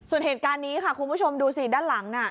ส่วนเหตุการณ์นี้ค่ะคุณผู้ชมดูสิด้านหลังน่ะ